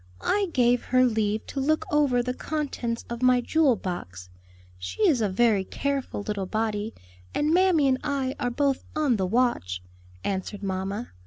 "I gave her leave to look over the contents of my jewel box; she is a very careful little body, and mammy and I are both on the watch:" answered mamma.